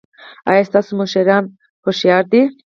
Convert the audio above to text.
ایا ستاسو مشران هوښیار دي؟